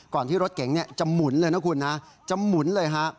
ที่รถเก๋งจะหมุนเลยนะคุณนะจะหมุนเลยฮะ